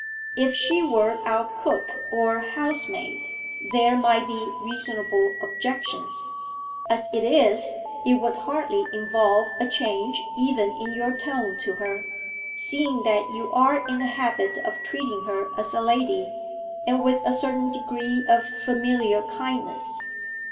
If she were our cook or housemaid, there might be reasonable objections. As it is, it would hardly involve a change even in your tone to her, seeing that you are in the habit of treating her as a lady, and with a certain degree of familiar kindness.